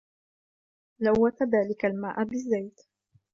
لوث ذلك الماء بالزيت.